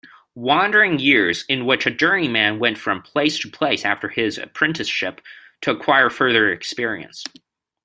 Wandering years, in which a journeyman went from place to place after his apprenticeship, to acquire further experience.